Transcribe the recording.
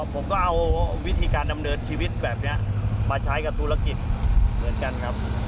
ผมก็เอาวิธีการดำเนินชีวิตแบบนี้มาใช้กับธุรกิจเหมือนกันครับ